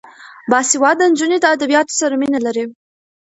باسواده نجونې د ادبیاتو سره مینه لري.